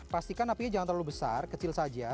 pastikan apinya jangan terlalu besar kecil saja